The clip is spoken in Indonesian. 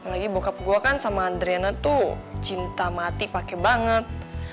apalagi bokap gue kan sama adriana tuh cinta mati pakai banget